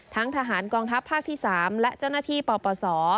ทหารกองทัพภาคที่๓และเจ้าหน้าที่ปปศ